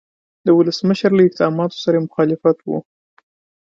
د ولسمشر له اقداماتو سره یې مخالفت و.